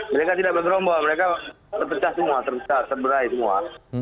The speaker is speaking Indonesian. mereka tidak bergrombol mereka terpecah semua terberai semua